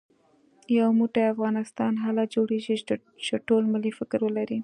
يو موټی افغانستان هله جوړېږي چې ټول ملي فکر ولرو